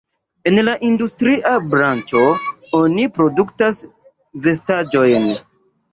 En la industria branĉo oni produktas vestaĵojn.